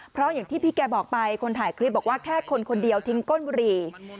เพราะอย่างที่พี่แกบอกไปคนถ่ายคลิปบอกว่าแค่คนคนเดียวทิ้งก้นบุหรี่